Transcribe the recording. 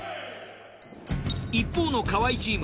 一方の河合チーム